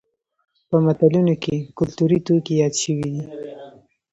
په متلونو کې کولتوري توکي یاد شوي دي